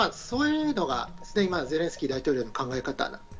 そういうのがゼレンスキー大統領の考え方。